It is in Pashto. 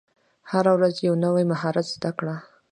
هره ورځ یو نوی مهارت زده کړه.